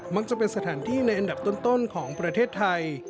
จะเป็นสถานที่ในอันดับต้นของประเทศไทย